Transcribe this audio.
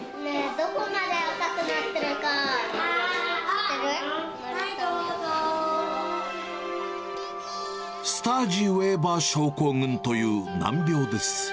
どこまで赤くなってるか、スタージ・ウェーバー症候群という難病です。